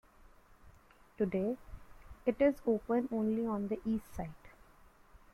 Today, it is open only on the east side.